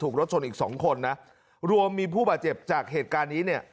รถชนอีกสองคนนะรวมมีผู้บาดเจ็บจากเหตุการณ์นี้เนี่ย